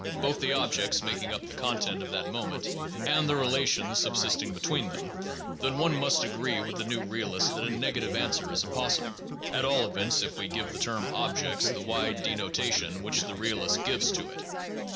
594 THE JOURNAL OF PHILOSOPHY lations subsisting between them, then one must agree with the new realist that a negative answer is impossible, — at all events if we give the term "objects" the wide denotation which the realist gives to it.